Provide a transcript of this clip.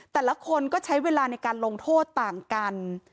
แต่ละคนก็ใช้เวลาในการลงโทษต่างกัน